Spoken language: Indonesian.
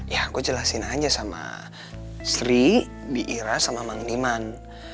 ya aku jelasin aja sama sri biira sama mang dimang